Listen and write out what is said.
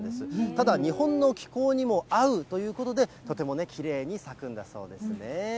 ただ日本の気候にも合うということで、とてもきれいに咲くんだそうですね。